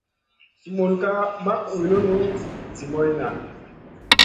Sumun ka mak wulini zi moyna.